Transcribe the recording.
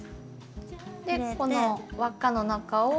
でこの輪っかの中を。